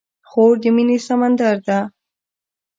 خور د مینې سمندر ده.